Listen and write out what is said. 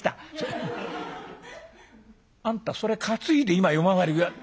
「あんたそれ担いで今夜回り。